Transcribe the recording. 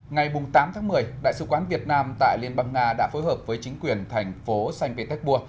ngày tám một mươi đại sứ quán việt nam tại liên bang nga đã phối hợp với chính quyền thành phố sanh pé tec bua